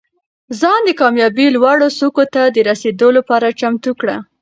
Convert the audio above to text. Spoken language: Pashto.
ځان د کامیابۍ لوړو څوکو ته د رسېدو لپاره چمتو کړه.